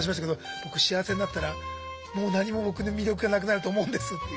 僕幸せになったらもう何も僕に魅力がなくなると思うんですっていう。